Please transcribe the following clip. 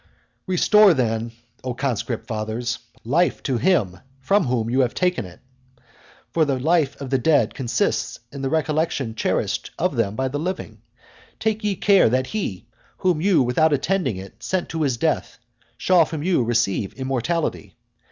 V. Restore then, O conscript fathers, life to him from whom you have taken it. For the life of the dead consists in the recollection cherished of them by the living. Take ye care that he, whom you without intending it sent to his death, shall from you receive immortality.